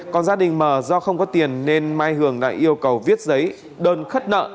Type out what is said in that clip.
còn gia đình m do không có tiền nên mai hường lại yêu cầu viết giấy đơn khất nợ